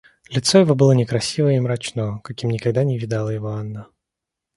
Лицо его было некрасиво и мрачно, каким никогда не видала его Анна.